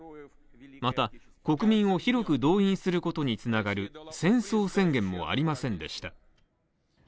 また国民を広く動員することにつながる戦争宣言もありませんでした。